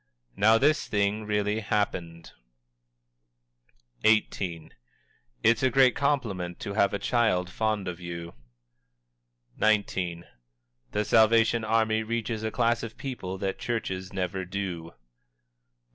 "Now, this thing really happened!" XVIII. "It's a great compliment to have a child fond of you." XIX. "The Salvation Army reaches a class of people that churches never do." XX.